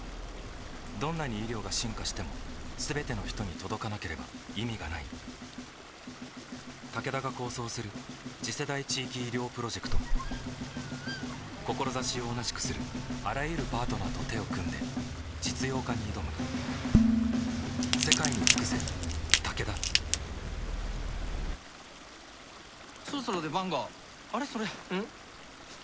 どんなに医療が進化しても全ての人に届かなければ意味がないタケダが構想する次世代地域医療プロジェクト志を同じくするあらゆるパートナーと手を組んで実用化に挑むビーフシーフードハヤシバターチキン炎メシ完全メシ